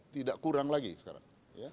tidak kurang lagi sekarang